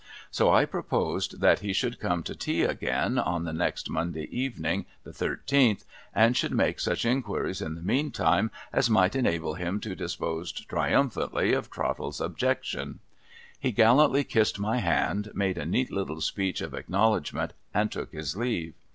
So I proposed that he should come to tea again, on the next INIonday evening, the thirteenth, and should make such inquiries in the meantime, as might enable him to dispose triumphantly of Trottle's objection. He gallantly kissed my hand, made a neat little speech of acknowledgment, and took his leave.